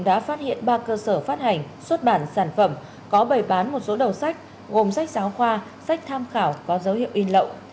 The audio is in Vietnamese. đã phát hiện ba cơ sở phát hành xuất bản sản phẩm có bày bán một số đầu sách gồm sách giáo khoa sách tham khảo có dấu hiệu in lậu